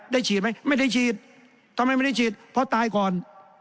ฉีดไหมไม่ได้ฉีดทำไมไม่ได้ฉีดเพราะตายก่อน